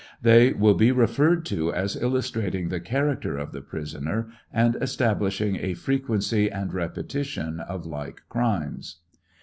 They will be referred to as illustrating the character of the prisoner, and establisljing a frequency and repetition of like crimes.